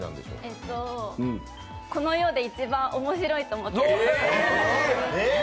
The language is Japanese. えっと、この世で一番面白いと思ってます。